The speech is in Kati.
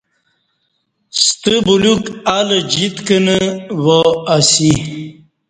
ستہ بلیوک الہ جیت کنہ وا اسی۔